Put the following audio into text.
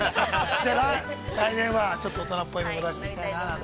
◆じゃあ、来年はちょっと大人っぽいのを目指していきたいなあなんて。